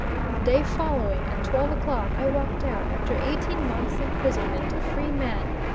The day following, at 12 o'clock, I walked out, after eighteen months' imprisonment, a free man.